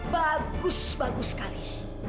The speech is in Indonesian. bagus bagus sekali